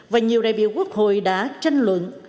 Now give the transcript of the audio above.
và nhiều đại biểu quốc hội đã tranh luận